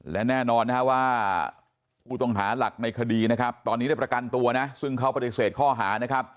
และแน่นอนนะฮะว่าผู้ต้องหาหลักในคดีนะครับตอนนี้ได้ประกันตัวนะซึ่งเขาปฏิเสธข้อหานะครับ